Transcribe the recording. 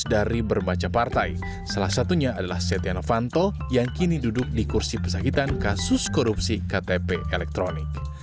dari bermacam partai salah satunya adalah setia novanto yang kini duduk di kursi pesakitan kasus korupsi ktp elektronik